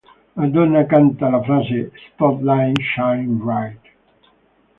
Madonna canta la frase "Spotlight, Shine Bright".